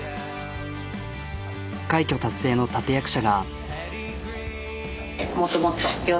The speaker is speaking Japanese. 快挙達成の立て役者が。